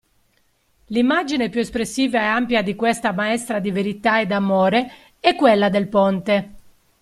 L'immagine più espressiva e ampia di questa maestra di verità e d'amore è quella del ponte.